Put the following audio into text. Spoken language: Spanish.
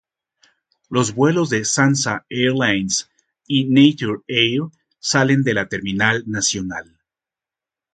Los vuelos de Sansa Airlines y Nature Air salen de la Terminal nacional.